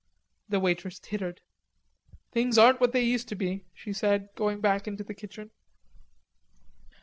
The waitress tittered. "Things aren't what they used to be," she said, going back to the kitchen.